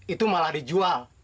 itu malah dijual